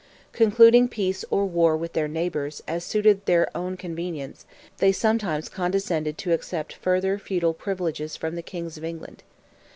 Concluding peace or war with their neighbours, as suited their own convenience, they sometimes condescended to accept further feudal privileges from the Kings of England.